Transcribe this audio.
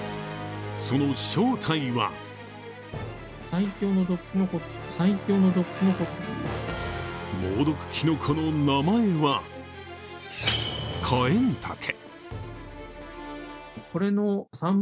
その正体は猛毒きのこの名前はカエンタケ。